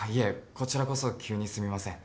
こちらこそ急にすみません。